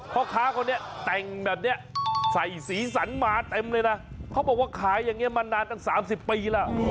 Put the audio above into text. พ่อค้าคนนี้แต่งแบบนี้ใส่สีสันมาเต็มเลยนะเขาบอกว่าขายอย่างนี้มานานตั้ง๓๐ปีแล้ว